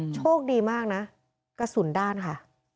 โชคดีมากนะกระสุนด้านค่ะ